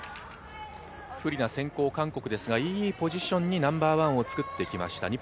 不利な先行・韓国ですが、いいポジションにナンバーワンをつくってきました。